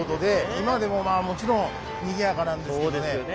今でもまあもちろんにぎやかなんですけどね